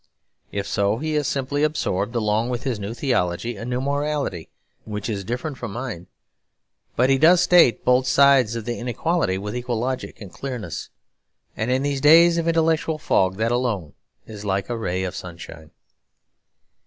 If so, he has simply absorbed along with his new theology a new morality which is different from mine. But he does state both sides of the inequality with equal logic and clearness; and in these days of intellectual fog that alone is like a ray of sunshine.